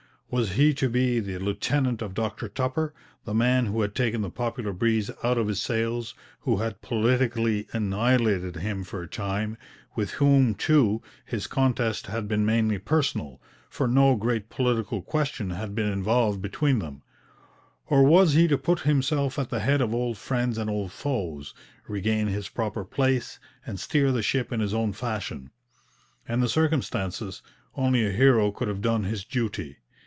Was he to be the lieutenant of Dr Tupper, the man who had taken the popular breeze out of his sails, who had politically annihilated him for a time, with whom, too, his contest had been mainly personal, for no great political question had been involved between them; or was he to put himself at the head of old friends and old foes, regain his proper place, and steer the ship in his own fashion? In the circumstances, only a hero could have done his duty.